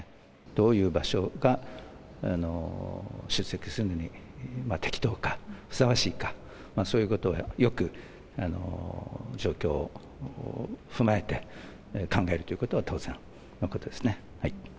どういう場所が、出席するのに適当か、ふさわしいか、そういうことをよく状況を踏まえて、考えるということは当然のことですね。